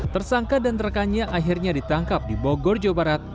tersangka dan rekannya akhirnya ditangkap di bogor jawa barat